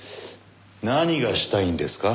何がしたいんですか？